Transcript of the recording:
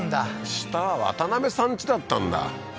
下は渡辺さんちだったんだ